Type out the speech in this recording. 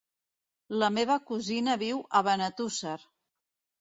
La meva cosina viu a Benetússer.